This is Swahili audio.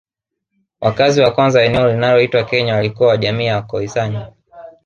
Wakazi wa kwanza wa eneo linaloitwa Kenya walikuwa wa jamii ya Wakhoisan